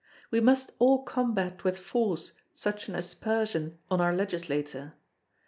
We must all combat with force such an aspersion on our Legislature.